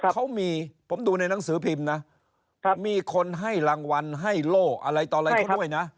เขามีผมดูในหนังสือพิมพ์นะมีคนให้รางวัลให้โล่อะไรต่ออะไรเขาด้วยนะ